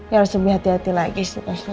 ya harus lebih hati hati lagi sih pasnya